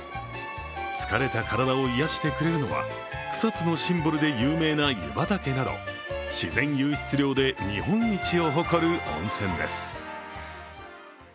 疲れた体を癒やしてくれるのは草津のシンボルで有名な湯畑など自然湧出量で日本一を誇る温泉です。